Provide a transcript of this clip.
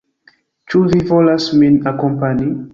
Ĉu vi volas min akompani?